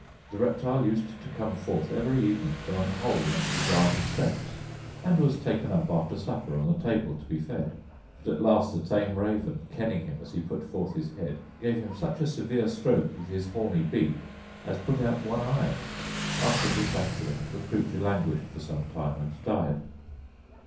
The reptile used to come forth every evening from an hole under the garden steps; and was taken up, after supper, on the table to be fed. But at last a tame raven, kenning him as he put forth his head, gave him such a severe stroke with his horny beak as put out one eye. After this accident the creature languished for some time and died.